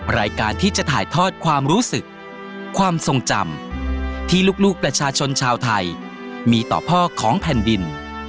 รายการที่จะถ่ายทอดความรู้สึกความทรงจำที่ลูกประชาชนชาวไทยมีต่อพ่อของแผ่นดิน